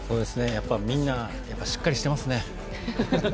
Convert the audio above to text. やっぱりみんな、しっかりしていますね。